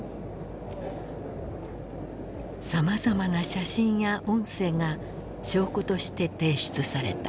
さまざまな写真や音声が証拠として提出された。